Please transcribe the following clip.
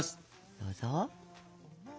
どうぞ。